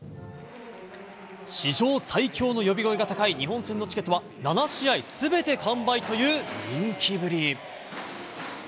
史上最強の呼び声が高い日本戦のチケットは７試合すべて完売という人気ぶり。